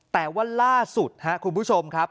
แต่ว่าล่าสุดครับคุณผู้ชมครับ